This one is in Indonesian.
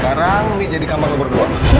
sekarang ini jadi kamar berdua